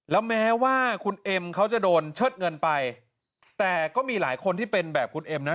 แล้วแม้ว่าคุณเอ็มเขาจะโดนเชิดเงินไปแต่ก็มีหลายคนที่เป็นแบบคุณเอ็มนะ